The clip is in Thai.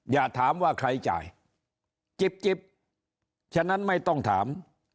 อย่าถามว่าใครจ่ายจิบฉะนั้นไม่ต้องถาม